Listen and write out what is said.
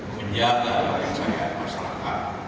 menjaga kepercayaan masyarakat